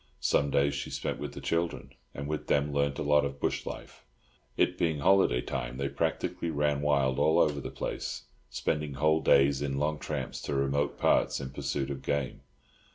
Some days she spent with the children, and with them learnt a lot of bush life. It being holiday time, they practically ran wild all over the place, spending whole days in long tramps to remote parts in pursuit of game.